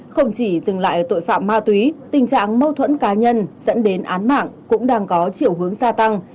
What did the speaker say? không chỉ dừng lại ở tội phạm ma túy tình trạng mâu thuẫn cá nhân dẫn đến án mạng cũng đang có chiều hướng gia tăng